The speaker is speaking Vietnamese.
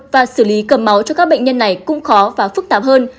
và xử lý cầm máu cho các bệnh nhân này cũng khó và phức tạp hơn